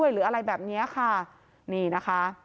หรืออะไรแบบนี้ค่ะ